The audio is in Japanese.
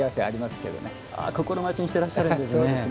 ああ心待ちにしてらっしゃるんですね。